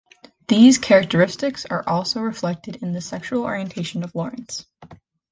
These characteristics are also reflected in the sexual orientation of Laurence.